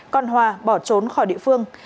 còn hòa bỏ trốn khỏi địa phương